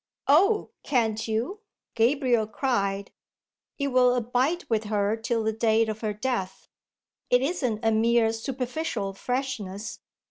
"Oh, can't you?" Gabriel cried. "It will abide with her till the day of her death. It isn't a mere superficial freshness.